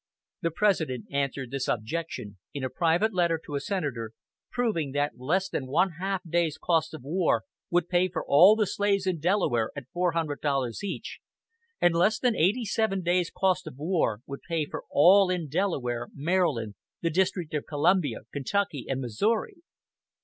The President answered this objection in a private letter to a Senator, proving that less than one half day's cost of war would pay for all the slaves in Delaware at four hundred dollars each, and less than eighty seven days' cost of war would pay for all in Delaware, Maryland, the District of Columbia, Kentucky and Missouri.